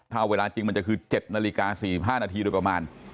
ถ้าเวลาจริงมันจะคือ๗นาฬิกา๔๕นาทีโดยประมาณ